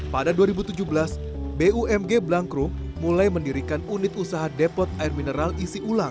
pada dua ribu tujuh belas bumg blangkrum mulai mendirikan unit usaha depot air mineral isi ulang